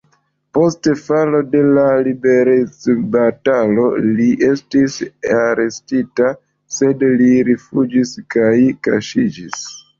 Post falo de la liberecbatalo li estis arestita, sed li rifuĝis kaj kaŝiĝis.